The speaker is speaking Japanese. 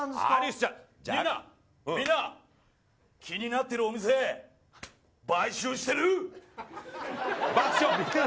今、気になってるお店買収してる。